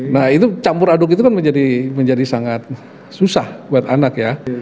nah itu campur aduk itu kan menjadi sangat susah buat anak ya